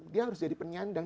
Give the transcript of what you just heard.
dia harus jadi penyandang